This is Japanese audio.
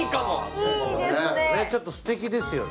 ちょっとすてきですよね。